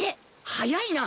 早いな！